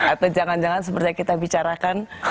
atau jangan jangan seperti yang kita bicarakan